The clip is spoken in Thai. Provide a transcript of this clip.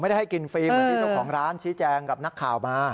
ให้กินฟรีเหมือนที่เจ้าของร้านชี้แจงกับนักข่าวมา